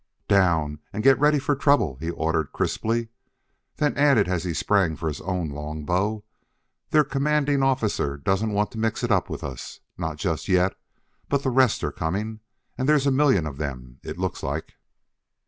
"Down and get ready for trouble!" he ordered crisply, then added as he sprang for his own long bow: "Their commanding officer doesn't want to mix it with us not just yet but the rest are coming, and there's a million of them, it looks like."